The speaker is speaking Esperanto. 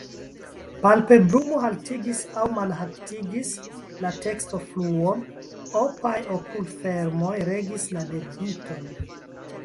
Palpebrumo haltigis aŭ malhaltigis la tekstofluon, opaj okulfermoj regis la debiton.